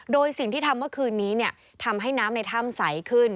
โดยสิ่งที่ทำเมื่อคืนนี้ทำให้น้ำในถ้ำใสขึ้น